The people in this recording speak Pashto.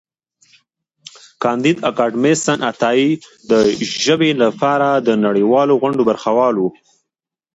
کانديد اکاډميسن عطايي د ژبې لپاره د نړیوالو غونډو برخه وال و.